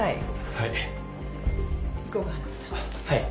はい。